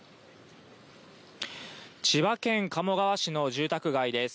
千葉県鴨川市の住宅街です。